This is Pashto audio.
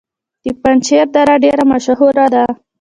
د پنجشیر دره ډیره مشهوره ده